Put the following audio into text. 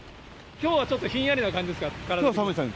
きょうはちょっとひんやりな感じですか。